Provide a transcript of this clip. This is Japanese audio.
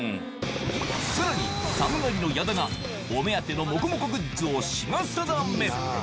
さらに寒がりの矢田が、お目当てのモコモコグッズを品定め。